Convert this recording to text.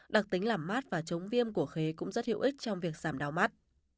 đặc tính làm mát và chống viêm của khế cũng rất hữu ích trong việc giảm đau mắt